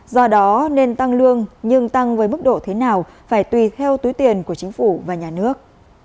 do đó nên tăng lương nhưng tăng với mức độ thế nào phải tùy theo túi tiền của chính phủ và nhà nước